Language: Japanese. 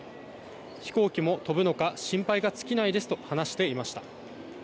飛行機も飛ぶのか心配が尽きないですと話していました。